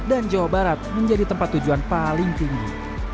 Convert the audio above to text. dan jawa barat menjadi tempat tujuan paling tinggi